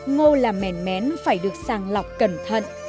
ngô làm mẻn mén phải được sàng lọc cẩn thận